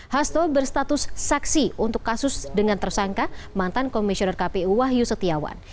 hasto berstatus saksi untuk kasus dengan tersangka mantan komisioner kpu wahyu setiawan